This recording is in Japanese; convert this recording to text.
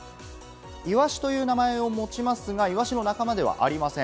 イワシという名前を持ちますが、イワシの仲間ではありません。